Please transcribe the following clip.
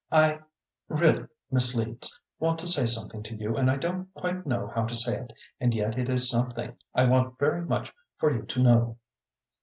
"I really, Miss Leeds, I want to say something to you and I don't quite know how to say it, and yet it is something I want very much for you to know."